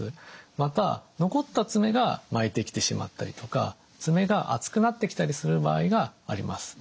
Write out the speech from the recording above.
また残った爪が巻いてきてしまったりとか爪が厚くなってきたりする場合があります。